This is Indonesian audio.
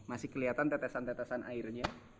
masih kelihatan tetesan tetesan airnya